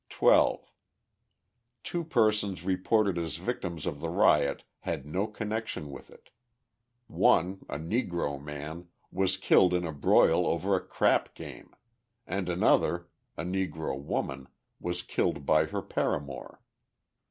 12. Two persons reported as victims of the riot had no connection with it. One, a Negro man, was killed in a broil over a crap game; and another, a Negro woman, was killed by her paramour.